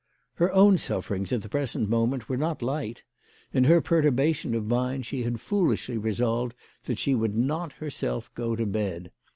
Her own sufferings at the present moment were not light. In her perturbation of mind she had foolishly resolved that she would not herself go to bed.